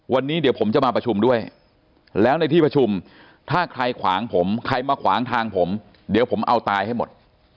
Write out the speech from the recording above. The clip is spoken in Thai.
วันนี้เดี๋ยวผมจะมาประชุมด้วยแล้วในที่ประชุมถ้าใครขวางผมใครมาขวางทางผมเดี๋ยวผมเอาตายให้หมด